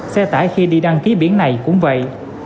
xe tải khi đi đăng ký biển này cũng vậy